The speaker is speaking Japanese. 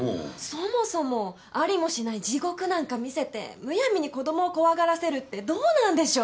そもそもありもしない地獄なんか見せてむやみに子供を怖がらせるってどうなんでしょう？